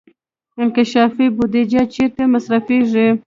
انکشافي بودجه چیرته مصرفیږي؟